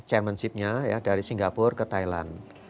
chairmanship nya ya dari singapura ke thailand